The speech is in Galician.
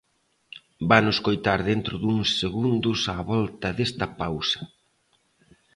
Vano escoitar dentro duns segundos á volta desta pausa.